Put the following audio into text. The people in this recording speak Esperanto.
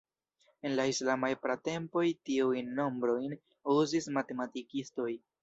En la islamaj pratempoj, tiujn nombrojn uzis matematikistoj.